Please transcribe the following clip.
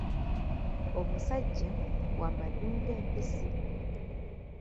Omusajja wa maddu ng'empisi.